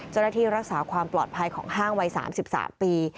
เจ้าหน้าที่รักษาความปลอดภัยของห้างวัย๓๓ปี